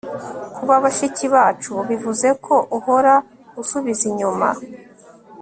kuba bashiki bacu bivuze ko uhora usubiza inyuma